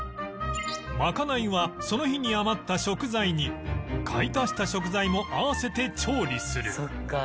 まかないはその日に余った食材に買い足した食材も合わせて調理する